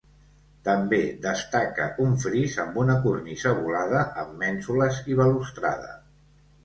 També destaca un fris amb una cornisa volada amb mènsules i balustrada.